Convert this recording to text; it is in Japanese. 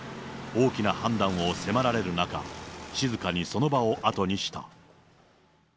大きな判断を迫られる中、静かにその場を後にした。